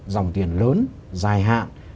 dòng tiền lớn dài hạn